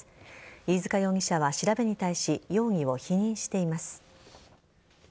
飯塚容疑者は調べに対し容疑を否認しています。